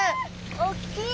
おっきい！